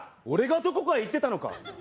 俺がどこかへ行ってたのか。